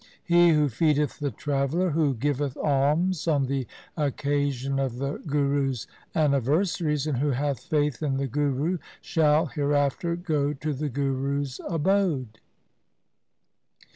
He who feedeth the traveller, who giveth alms on the occasion of the Gurus' anni versaries, and who hath faith in the Guru shall hereafter go to the Gurus' abode.